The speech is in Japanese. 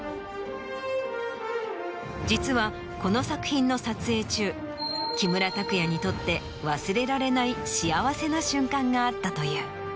実はこの作品の撮影中木村拓哉にとって忘れられない幸せな瞬間があったという。